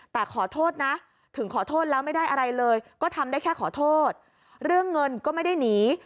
แต่ขอโทษนะถึงขอโทษแล้วไม่ได้อะไรเลยก็ทำได้แค่ขอโทษเรื่องเงินก็ไม่ได้หนี